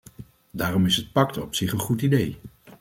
Daarom is het pact op zich een goed idee.